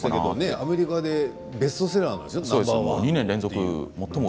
アメリカでベストセラーだったんでしょう？